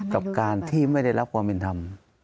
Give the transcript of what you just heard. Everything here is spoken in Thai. กับการที่ไม่ได้รับความเป็นธรรม